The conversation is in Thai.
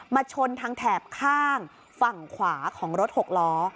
ชนทางแถบข้างฝั่งขวาของรถหกล้อ